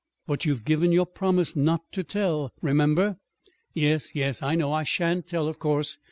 "But you've given your promise not to tell, remember." "Yes, yes, I know. I shan't tell, of course.